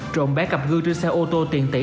trộn bé cặp gương trên xe ô tô tiền tỷ